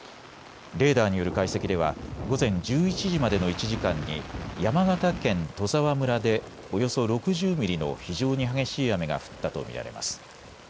レーダーによる解析では午前１１時までの１時間に山形県戸沢村でおよそ６０ミリの非常に激しい雨が降ったと見られます。